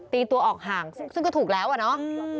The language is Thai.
ตีตัวออกห่างซึ่งก็ถูกแล้วอะเนาะ